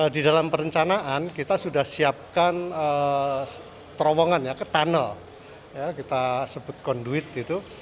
di dalam perencanaan kita sudah siapkan terowongan ya ke tunnel ya kita sebut conduit itu